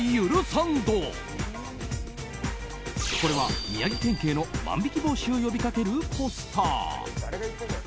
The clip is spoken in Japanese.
これは宮城県警の万引き防止を呼びかけるポスター。